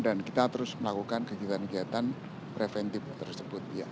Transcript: dan kita terus melakukan kegiatan preventif tersebut